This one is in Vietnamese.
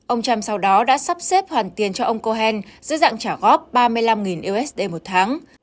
ông trump sau đó đã sắp xếp hoàn tiền cho ông cohen dưới dạng trả góp ba mươi năm usd một tháng